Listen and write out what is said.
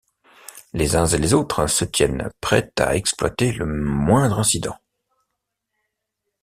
Les uns et les autres se tiennent prêts à exploiter le moindre incident.